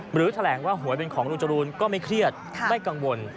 หรือแถลงว่าหวยเป็นของลุงจรูนก็ไม่เครียดไม่กังวล